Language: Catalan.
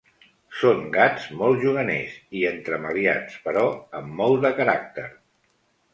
Són gats molt juganers i entremaliats, però amb molt de caràcter.